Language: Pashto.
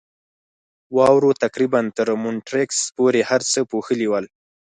واورو تقریباً تر مونیټریکس پورې هر څه پوښلي ول.